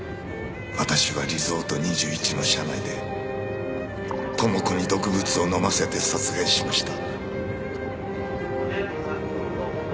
私はリゾート２１の車内で朋子に毒物を飲ませて殺害しました。